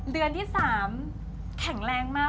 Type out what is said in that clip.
เดือนที่๓แข็งแรงมาก